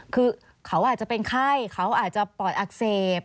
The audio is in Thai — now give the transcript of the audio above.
คือเขาอาจจะเป็นไข้เขาอาจจะปอดอักเสบ